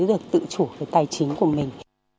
được tự chủ cái tài chính của mình